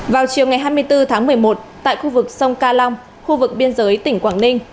vào chiều ngày hai mươi bốn tháng một mươi một tại khu vực sông ca long khu vực biên giới tỉnh quảng ninh